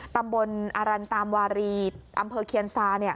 ตำบลอรันตามวารีอำเภอเคียนซา